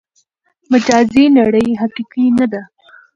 مجازي نړۍ حقیقي نه ده.